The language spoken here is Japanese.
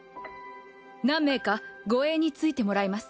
何名か護衛についてもらいます。